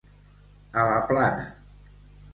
A la plana.